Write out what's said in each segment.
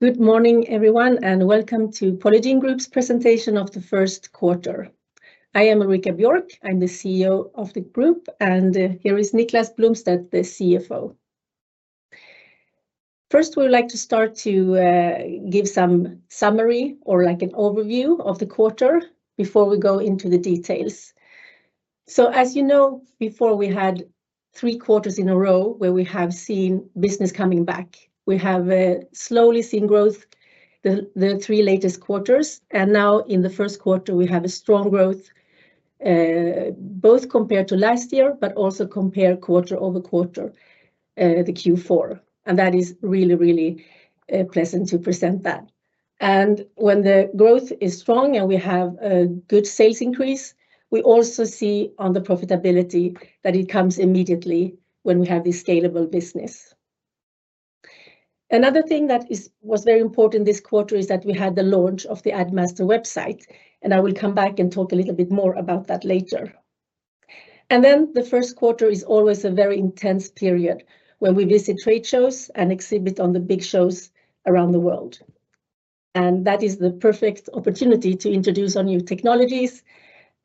Good morning, everyone, and welcome to Polygiene Group's presentation of the first quarter. I am Ulrika Björk. I'm the CEO of the group, and here is Niklas Blomstedt, the CFO. First, we would like to start to give some summary or, like, an overview of the quarter before we go into the details. So as you know, before we had three quarters in a row where we have seen business coming back. We have slowly seen growth the, the three latest quarters, and now in the first quarter, we have a strong growth both compared to last year, but also compare quarter-over-quarter the Q4. And that is really, really pleasant to present that. And when the growth is strong and we have a good sales increase, we also see on the profitability that it comes immediately when we have this scalable business. Another thing that was very important this quarter is that we had the launch of the Addmaster website, and I will come back and talk a little bit more about that later. And then the first quarter is always a very intense period, where we visit trade shows and exhibit on the big shows around the world, and that is the perfect opportunity to introduce our new technologies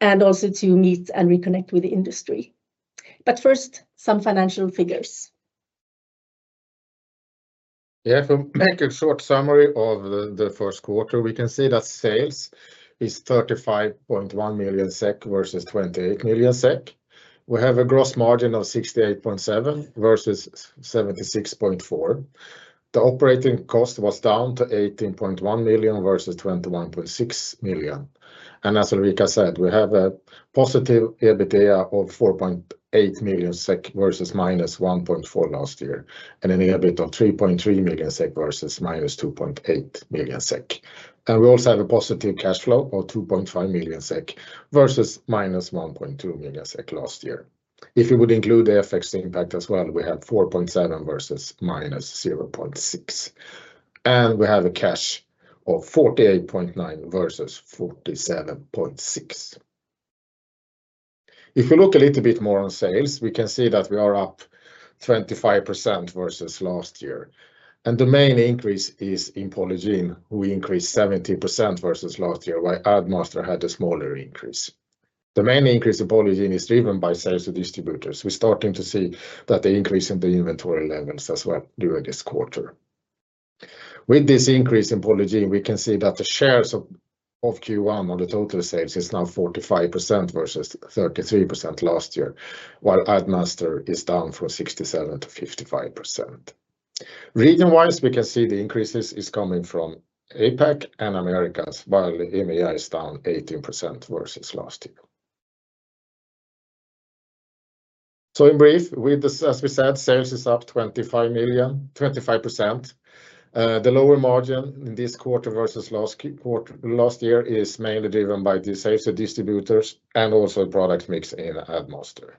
and also to meet and reconnect with the industry. But first, some financial figures. Yeah, to make a short summary of the first quarter, we can see that sales is 35.1 million SEK versus 28 million SEK. We have a gross margin of 68.7% versus 76.4%. The operating cost was down to 18.1 million versus 21.6 million, and as Ulrika said, we have a positive EBITDA of 4.8 million SEK versus -1.4 million last year, and an EBIT of 3.3 million SEK versus -2.8 million SEK. And we also have a positive cash flow of 2.5 million SEK versus -1.2 million SEK last year. If you would include the FX impact as well, we have 4.7 million versus -0.6 million, and we have a cash of 48.9 million versus 47.6 million. If you look a little bit more on sales, we can see that we are up 25% versus last year, and the main increase is in Polygiene. We increased 70% versus last year, while Addmaster had a smaller increase. The main increase in Polygiene is driven by sales to distributors. We're starting to see that the increase in the inventory levels as well during this quarter. With this increase in Polygiene, we can see that the shares of Q1 on the total sales is now 45% versus 33% last year, while Addmaster is down from 67%-55%. Region-wise, we can see the increases is coming from APAC and Americas, while EMEA is down 18% versus last year. So in brief, with this, as we said, sales is up 25 million... 25%. The lower margin in this quarter versus last year is mainly driven by the sales to distributors and also the product mix in Addmaster.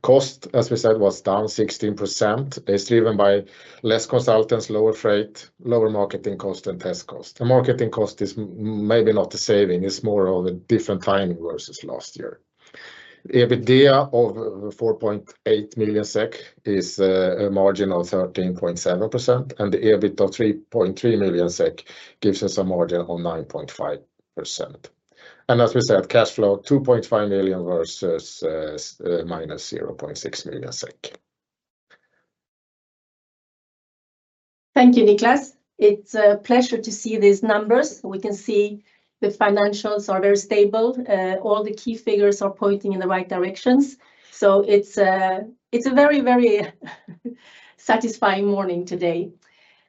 Cost, as we said, was down 16%. It's driven by less consultants, lower freight, lower marketing cost, and test cost. The marketing cost is maybe not a saving. It's more of a different timing versus last year. EBITDA of 4.8 million SEK is a margin of 13.7%, and the EBIT of 3.3 million SEK gives us a margin of 9.5%. And as we said, cash flow, 2.5 million versus minus 0.6 million SEK. Thank you, Niklas. It's a pleasure to see these numbers. We can see the financials are very stable. All the key figures are pointing in the right directions, so it's a very, very satisfying morning today.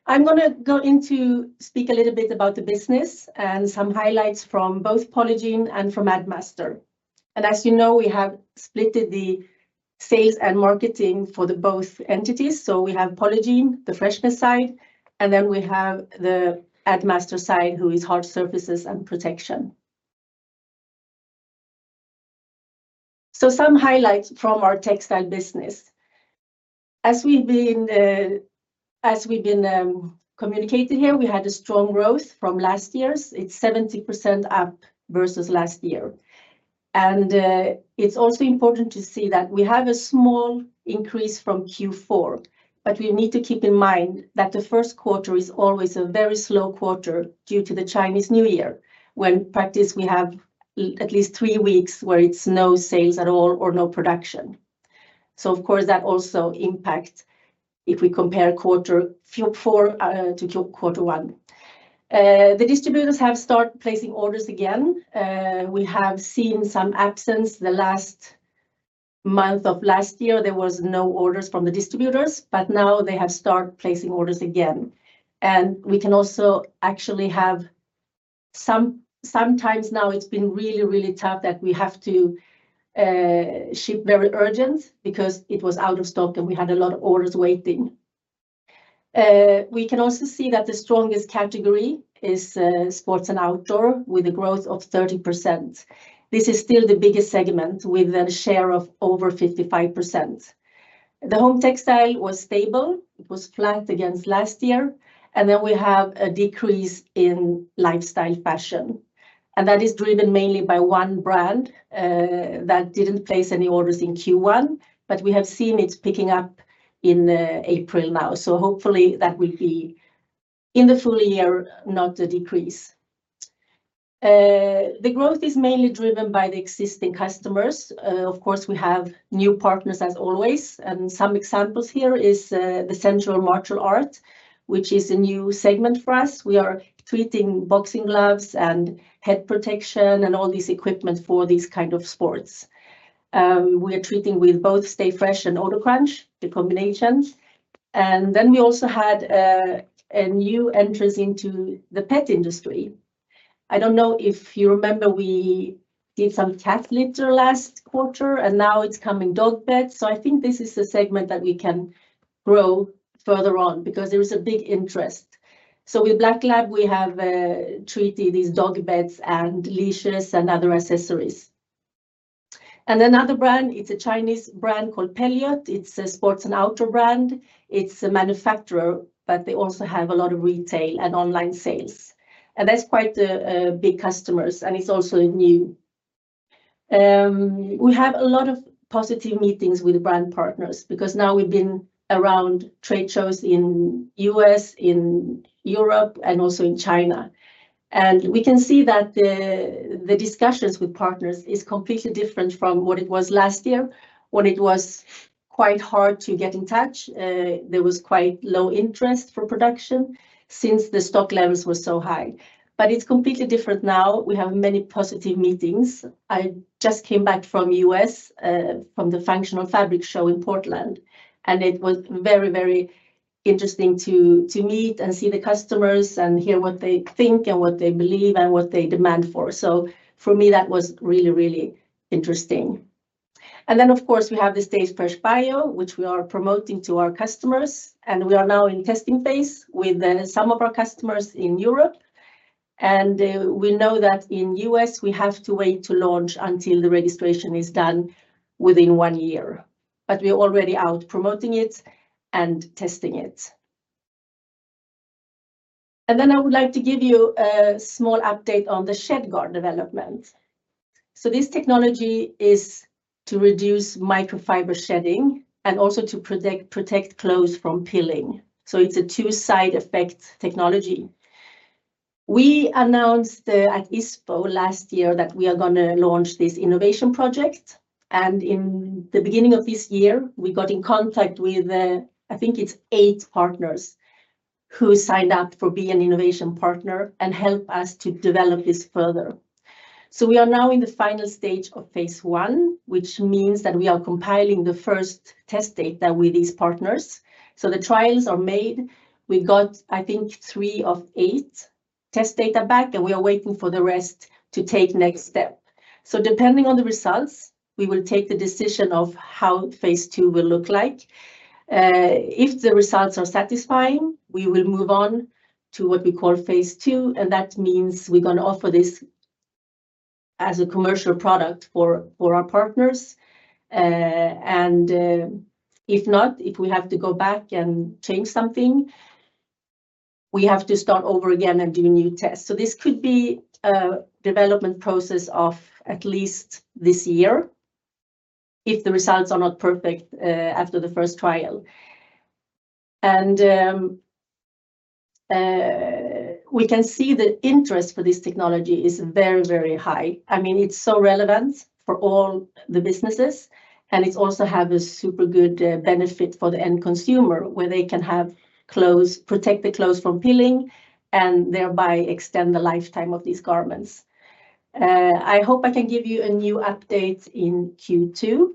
I'm gonna go into speak a little bit about the business and some highlights from both Polygiene and from Addmaster. As you know, we have splitted the sales and marketing for the both entities. So we have Polygiene, the freshness side, and then we have the Addmaster side, who is hard surfaces and protection. So some highlights from our textile business. As we've been communicating here, we had a strong growth from last year's. It's 70% up versus last year, and it's also important to see that we have a small increase from Q4. But we need to keep in mind that the first quarter is always a very slow quarter due to the Chinese New Year, when in practice we have at least three weeks where it's no sales at all or no production. So of course, that also impacts if we compare quarter Q4 to quarter one. The distributors have started placing orders again. We have seen some absence. The last month of last year, there was no orders from the distributors, but now they have started placing orders again, and we can also actually have... Sometimes now it's been really, really tough that we have to ship very urgent because it was out of stock, and we had a lot of orders waiting. We can also see that the strongest category is sports and outdoor, with a growth of 30%. This is still the biggest segment, with a share of over 55%. The home textile was stable. It was flat against last year, and then we have a decrease in lifestyle fashion, and that is driven mainly by one brand that didn't place any orders in Q1. But we have seen it's picking up in April now, so hopefully that will be, in the full year, not a decrease. The growth is mainly driven by the existing customers. Of course, we have new partners, as always, and some examples here is the Century Martial Arts, which is a new segment for us. We are treating boxing gloves and head protection and all this equipment for these kind of sports. We are treating with both StayFresh and OdorCrunch, the combinations. And then we also had a new entrance into the pet industry. I don't know if you remember, we did some cat litter last quarter, and now it's coming dog beds. So I think this is a segment that we can grow further on because there is a big interest. So with Black Lab, we have treated these dog beds and leashes and other accessories. And another brand, it's a Chinese brand called Pelliot. It's a sports and outdoor brand. It's a manufacturer, but they also have a lot of retail and online sales, and that's quite a big customers, and it's also new. We have a lot of positive meetings with brand partners because now we've been around trade shows in U.S., in Europe, and also in China. And we can see that the discussions with partners is completely different from what it was last year, when it was quite hard to get in touch. There was quite low interest for production since the stock levels were so high. But it's completely different now. We have many positive meetings. I just came back from the U.S. from the Functional Fabric show in Portland, and it was very, very interesting to meet and see the customers and hear what they think and what they believe and what they demand for. So for me, that was really, really interesting. And then, of course, we have the StayFresh BIO, which we are promoting to our customers, and we are now in testing phase with some of our customers in Europe. And we know that in the U.S., we have to wait to launch until the registration is done within one year, but we're already out promoting it and testing it. And then I would like to give you a small update on the ShedGuard development. So this technology is to reduce microfiber shedding and also to protect, protect clothes from pilling. So it's a two-sided effect technology. We announced at ISPO last year that we are gonna launch this innovation project, and in the beginning of this year, we got in contact with, I think it's 8 partners who signed up to be an innovation partner and help us to develop this further. So we are now in the final stage of phase one, which means that we are compiling the first test data with these partners. So the trials are made. We've got, I think, 3 of 8 test data back, and we are waiting for the rest to take next step. So depending on the results, we will take the decision of how phase two will look like. If the results are satisfying, we will move on to what we call phase two, and that means we're gonna offer this as a commercial product for our partners. And if not, if we have to go back and change something, we have to start over again and do new tests. So this could be a development process of at least this year if the results are not perfect after the first trial. We can see the interest for this technology is very, very high. I mean, it's so relevant for all the businesses, and it also have a super good benefit for the end consumer, where they can have clothes... protect the clothes from pilling and thereby extend the lifetime of these garments. I hope I can give you a new update in Q2.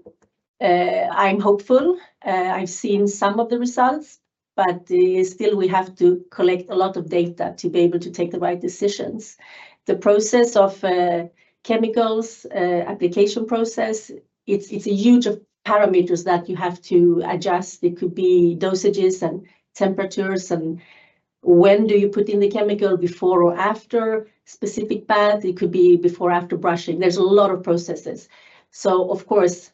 I'm hopeful. I've seen some of the results, but still, we have to collect a lot of data to be able to take the right decisions. The process of chemicals application process, it's a huge of parameters that you have to adjust. It could be dosages and temperatures, and when do you put in the chemical, before or after specific bath? It could be before or after brushing. There's a lot of processes. So of course,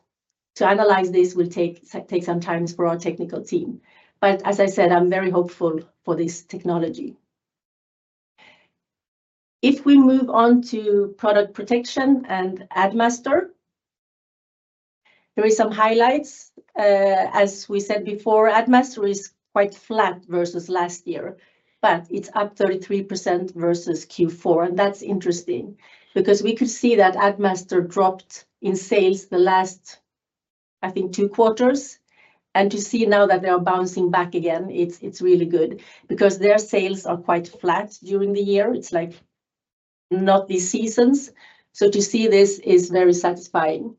to analyze this will take some times for our technical team. But as I said, I'm very hopeful for this technology. If we move on to product protection and Addmaster, there is some highlights. As we said before, Addmaster is quite flat versus last year, but it's up 33% versus Q4, and that's interesting because we could see that Addmaster dropped in sales the last, I think, two quarters. And to see now that they are bouncing back again, it's really good because their sales are quite flat during the year. It's like not these seasons. So to see this is very satisfying.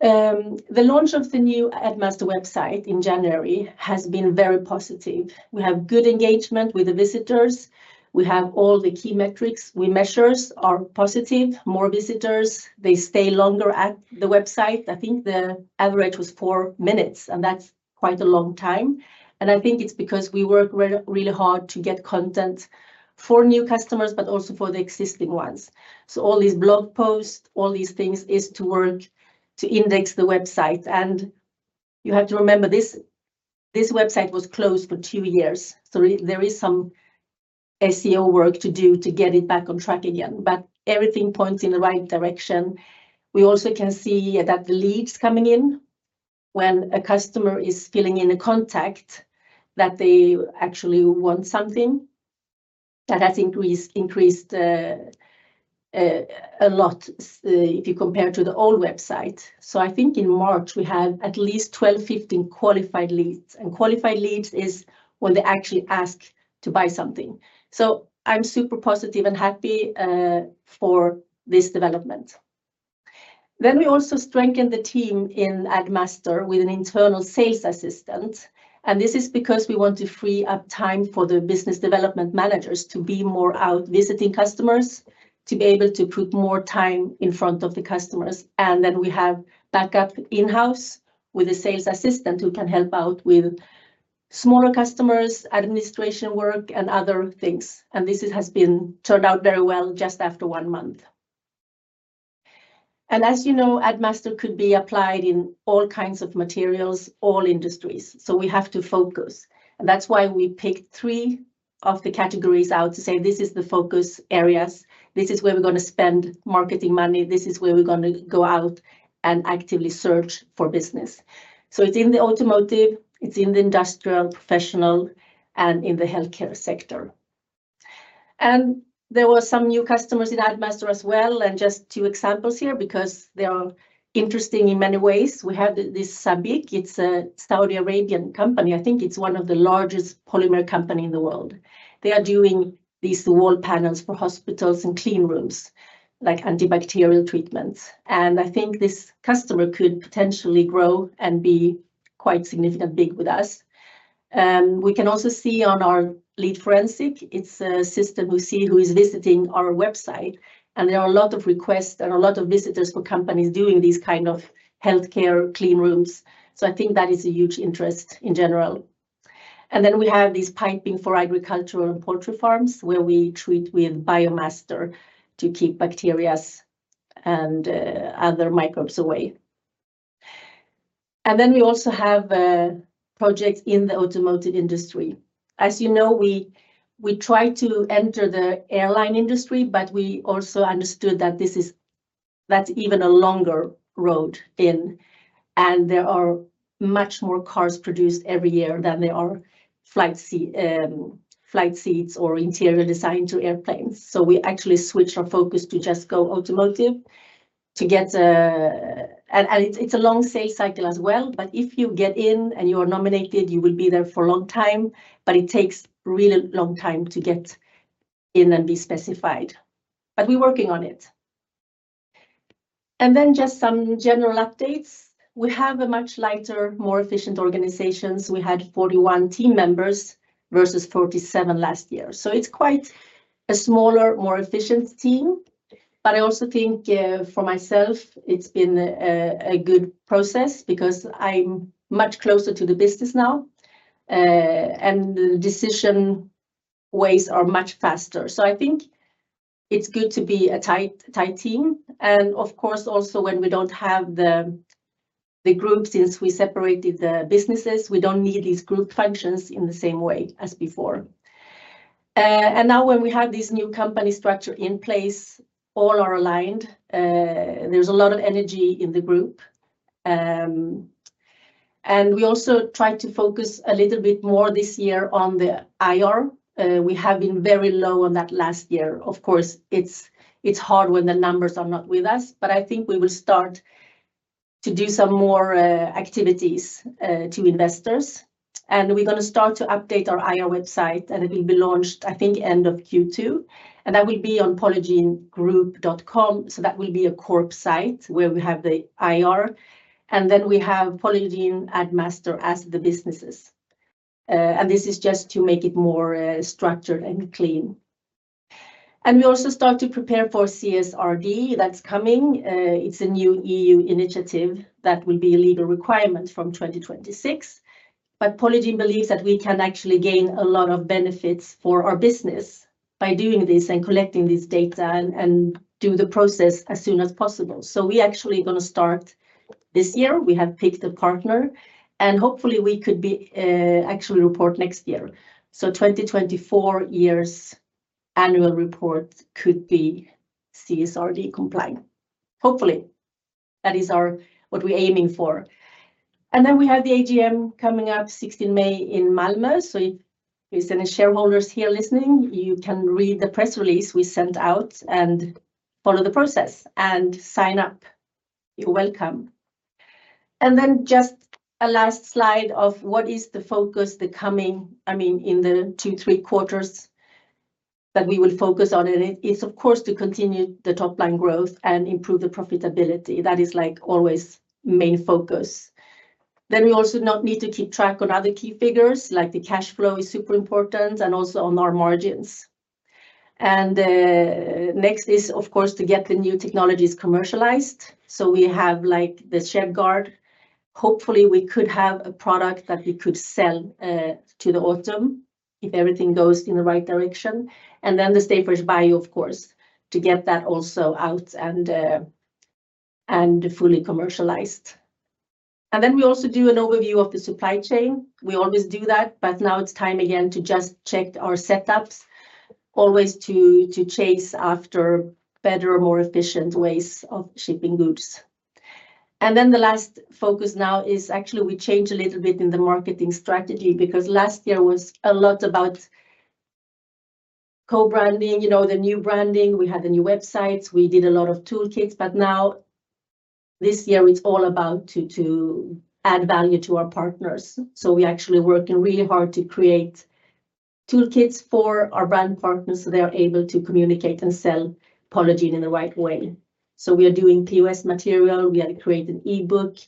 The launch of the new Addmaster website in January has been very positive. We have good engagement with the visitors. We have all the key metrics. We measures are positive. More visitors, they stay longer at the website. I think the average was 4 minutes, and that's quite a long time, and I think it's because we work really hard to get content for new customers, but also for the existing ones. So all these blog posts, all these things, is to work to index the website. You have to remember, this website was closed for two years, so there is some SEO work to do to get it back on track again, but everything points in the right direction. We also can see that the leads coming in, when a customer is filling in a contact, that they actually want something, that has increased a lot, if you compare to the old website. So I think in March, we had at least 12, 15 qualified leads, and qualified leads is when they actually ask to buy something. So I'm super positive and happy for this development. Then we also strengthened the team in Addmaster with an internal sales assistant, and this is because we want to free up time for the business development managers to be more out visiting customers, to be able to put more time in front of the customers. And then we have backup in-house with a sales assistant who can help out with smaller customers, administration work, and other things, and this has turned out very well just after one month. And as you know, Addmaster could be applied in all kinds of materials, all industries, so we have to focus. And that's why we picked three of the categories out to say, "This is the focus areas. This is where we're gonna spend marketing money. This is where we're gonna go out and actively search for business." So it's in the automotive, it's in the industrial, professional, and in the healthcare sector. There were some new customers in Addmaster as well, and just two examples here, because they are interesting in many ways. We have the SABIC, it's a Saudi Arabian company. I think it's one of the largest polymer company in the world. They are doing these wall panels for hospitals and cleanrooms, like antibacterial treatments, and I think this customer could potentially grow and be quite significant big with us. We can also see on our Lead Forensics, it's a system we see who is visiting our website, and there are a lot of requests and a lot of visitors for companies doing these kind of healthcare cleanrooms. So I think that is a huge interest in general. And then we have these piping for agricultural and poultry farms, where we treat with Biomaster to keep bacterias and other microbes away. And then we also have a project in the automotive industry. As you know, we tried to enter the airline industry, but we also understood that this is... that's even a longer road in, and there are much more cars produced every year than there are flight seats or interior design to airplanes. So we actually switched our focus to just go automotive to get. And it's a long sales cycle as well, but if you get in and you are nominated, you will be there for a long time, but it takes a really long time to get in and be specified. But we're working on it. And then just some general updates. We have a much lighter, more efficient organization. We had 41 team members versus 47 last year. So it's quite a smaller, more efficient team, but I also think, for myself, it's been a good process, because I'm much closer to the business now, and the decision ways are much faster. So I think it's good to be a tight, tight team, and of course, also, when we don't have the group, since we separated the businesses, we don't need these group functions in the same way as before. And now when we have this new company structure in place, all are aligned, there's a lot of energy in the group. And we also try to focus a little bit more this year on the IR. We have been very low on that last year. Of course, it's, it's hard when the numbers are not with us, but I think we will start to do some more activities to investors. And we're gonna start to update our IR website, and it will be launched, I think, end of Q2, and that will be on polygienegroup.com. So that will be a corp site where we have the IR, and then we have Polygiene, Addmaster as the businesses. And this is just to make it more structured and clean. And we also start to prepare for CSRD that's coming. It's a new EU initiative that will be a legal requirement from 2026. But Polygiene believes that we can actually gain a lot of benefits for our business by doing this and collecting this data and, and do the process as soon as possible. So we're actually gonna start this year. We have picked a partner, and hopefully, we could be actually report next year. So 2024 year's annual report could be CSRD compliant. Hopefully, that is our, what we're aiming for. And then we have the AGM coming up, 16th May in Malmö, so if there's any shareholders here listening, you can read the press release we sent out and follow the process and sign up. You're welcome. And then just a last slide of what is the focus, the coming, I mean, in the two, three quarters that we will focus on, and it is, of course, to continue the top-line growth and improve the profitability. That is, like, always main focus. Then we also now need to keep track on other key figures, like the cash flow is super important, and also on our margins. Next is, of course, to get the new technologies commercialized. So we have, like, the ShedGuard. Hopefully, we could have a product that we could sell to the autumn if everything goes in the right direction. And then the StayFresh Bio, of course, to get that also out and fully commercialized. And then we also do an overview of the supply chain. We always do that, but now it's time again to just check our setups, always to chase after better, more efficient ways of shipping goods. And then the last focus now is actually we changed a little bit in the marketing strategy, because last year was a lot about co-branding, you know, the new branding. We had the new websites, we did a lot of toolkits, but now this year it's all about to add value to our partners. So we're actually working really hard to create toolkits for our brand partners so they're able to communicate and sell Polygiene in the right way. So we are doing POS material, we are creating ebook,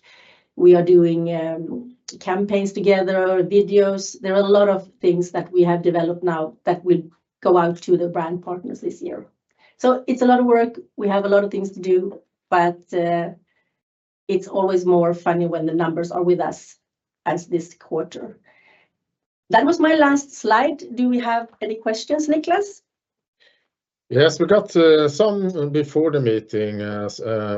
we are doing campaigns together, videos. There are a lot of things that we have developed now that will go out to the brand partners this year. So it's a lot of work. We have a lot of things to do, but it's always more funny when the numbers are with us, as this quarter. That was my last slide. Do we have any questions, Niklas? Yes, we got some before the meeting.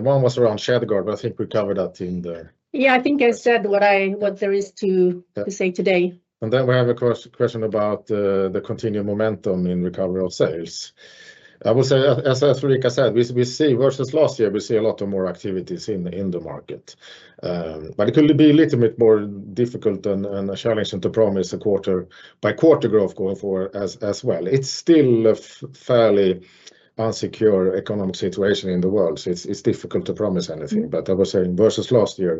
One was around ShedGuard, but I think we covered that in the— Yeah, I think I said what there is to say today. And then we have a question about the continued momentum in recovery of sales. I will say, as Ulrika said, we see versus last year, we see a lot more activities in the market. But it could be a little bit more difficult and a challenge to promise a quarter-by-quarter growth going forward as well. It's still a fairly insecure economic situation in the world, so it's difficult to promise anything. But I was saying versus last year,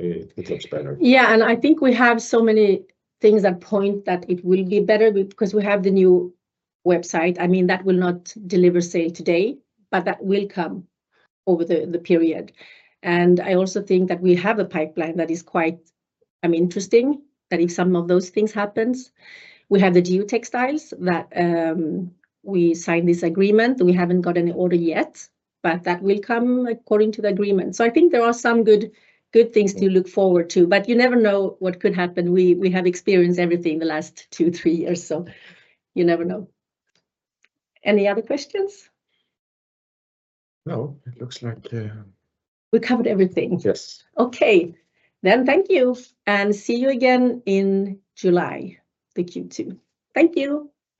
it looks better. Yeah, and I think we have so many things at point that it will be better because we have the new website. I mean, that will not deliver sale today, but that will come over the period. And I also think that we have a pipeline that is quite, I mean, interesting, that if some of those things happens, we have the geotextiles that we signed this agreement. We haven't got any order yet, but that will come according to the agreement. So I think there are some good, good things to look forward to, but you never know what could happen. We have experienced everything in the last two, three years, so you never know. Any other questions? No, it looks like. We covered everything. Yes. Okay. Thank you, and see you again in July, the Q2. Thank you!